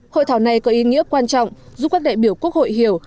hội thảo này có ý nghĩa quan trọng giúp các đại biểu quốc hội hiểu